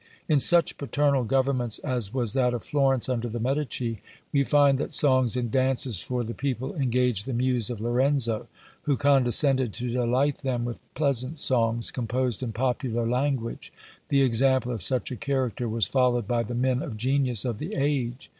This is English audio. In such paternal governments as was that of Florence under the Medici, we find that songs and dances for the people engaged the muse of Lorenzo, who condescended to delight them with pleasant songs composed in popular language; the example of such a character was followed by the men of genius of the age.